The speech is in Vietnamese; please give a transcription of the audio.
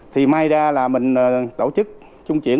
thì may ra là mình tổ chức chung chuyển